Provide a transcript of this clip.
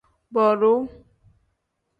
Boduu.